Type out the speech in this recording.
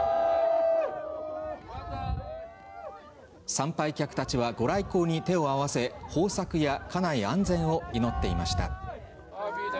参拝客たちは御来光に手を合わせ、豊作や家内安全を祈っていました。